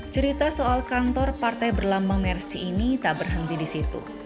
cerita soal kantor partai berlambang mersi ini tak berhenti di situ